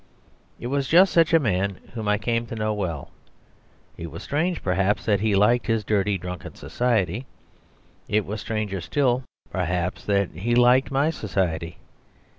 It was just such a man whom I came to know well. It was strange, perhaps, that he liked his dirty, drunken society; it was stranger still, perhaps, that he liked my society.